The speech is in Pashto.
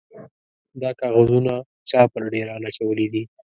_دا کاغذونه چا پر ډېران اچولي دي؟